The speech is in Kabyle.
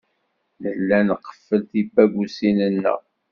Nella nqeffel tibagusin-nneɣ.